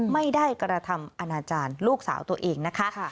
ไม่ได้กระทำอนาจารย์ลูกสาวตัวเองนะคะ